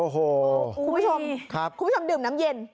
โอ้โหคุณผู้ชมคุณผู้ชมดื่มน้ำเย็น